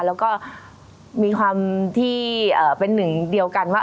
แล้วก็มีความที่เป็นหนึ่งเดียวกันว่า